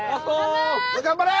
頑張れ！